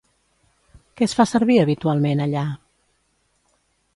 Què es fa servir habitualment allà?